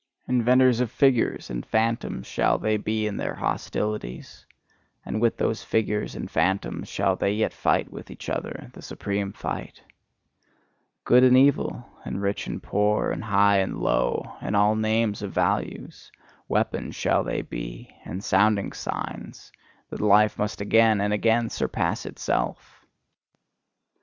Inventors of figures and phantoms shall they be in their hostilities; and with those figures and phantoms shall they yet fight with each other the supreme fight! Good and evil, and rich and poor, and high and low, and all names of values: weapons shall they be, and sounding signs, that life must again and again surpass itself!